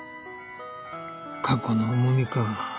過去の重みか。